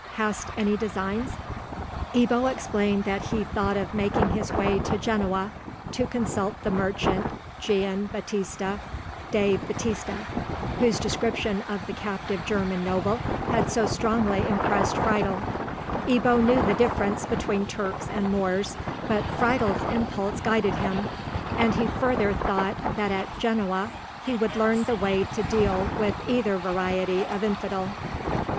Hast any designs?" Ebbo explained that he thought of making his way to Genoa to consult the merchant Gian Battista dei Battiste, whose description of the captive German noble had so strongly impressed Friedel. Ebbo knew the difference between Turks and Moors, but Friedel's impulse guided him, and he further thought that at Genoa he should learn the way to deal with either variety of infidel.